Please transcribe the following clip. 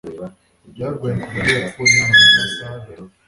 Yararwaye ku buryo yapfuye nyuma yamasaha abiri